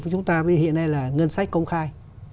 chúng ta hiện nay là ngân sách công khai